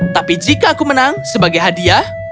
tapi jika aku menang sebagai hadiah